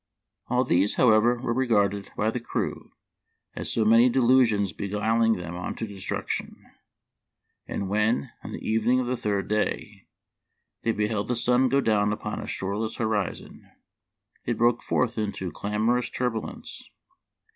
" All these, however, were regarded by the crews as so many delusions beguiling them on to destruction ; and when, on the evening of the third day, they beheld the sun go down upon a shoreless horizon, they broke forth into clamorous turbulence.